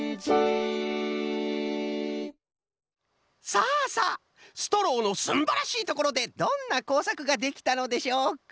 さあさあストローのすんばらしいところでどんなこうさくができたのでしょうか？